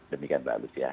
demikian pak lusya